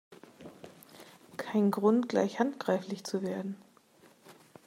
Kein Grund, gleich handgreiflich zu werden!